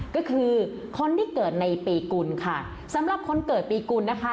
ก็คือคนที่เกิดในปีกุลค่ะสำหรับคนเกิดปีกุลนะคะ